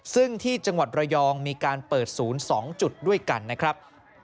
ซึ่งที่จังหวัดระยองมีการเปิดศูนย์๒จุดด้วยกันนะครับ